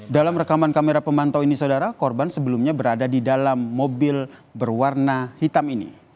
dalam rekaman kamera pemantau ini saudara korban sebelumnya berada di dalam mobil berwarna hitam ini